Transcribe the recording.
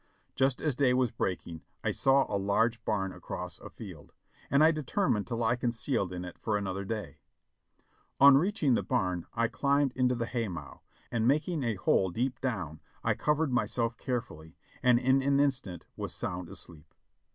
Just as day was breaking I saw a large barn across a field, and THE THIRD ESCAPE 515 1 deterinined to lie concealed in it for another day. On reaching the barn I climbed into the hay mow, and making a hole deep down, I covered myself carefully, and in an instant was sound asleep.